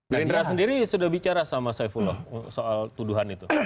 gerindra sendiri sudah bicara sama saifullah soal tuduhan itu